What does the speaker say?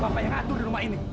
bapak yang atur di rumah ini